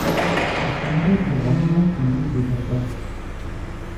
Хьэчимрэ Тыгъуэнрэ кином зэдэкӏуащ.